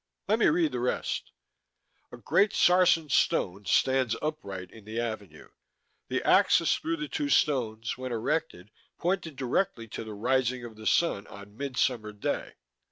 "Let me read the rest: _A great sarsen stone stands upright in the Avenue; the axis through the two stones, when erected, pointed directly to the rising of the sun on Midsummer Day.